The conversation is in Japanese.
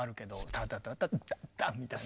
タタタタンタンタみたいな。